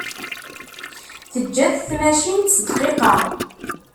Teǧǧa-t tmacint s dqiqa.